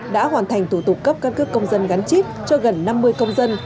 đã hoàn thành thủ tục cấp căn cước công dân gắn chip cho gần năm mươi công dân